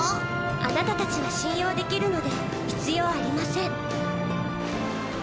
アナタたちは信用できるので必要ありません。